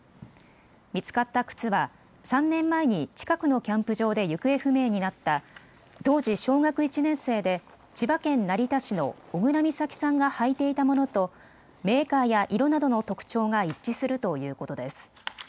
見つかった靴は３年前に近くのキャンプ場で行方不明になった当時、小学１年生で千葉県成田市の小倉美咲さんが履いていたものとメーカーや色などの特徴が一致するということです。